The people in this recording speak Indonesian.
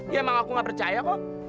ya emang aku gak percaya kok